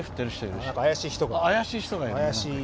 怪しい人がいるね。